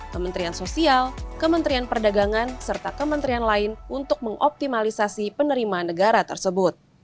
kementerian sosial kementerian perdagangan serta kementerian lain untuk mengoptimalisasi penerimaan negara tersebut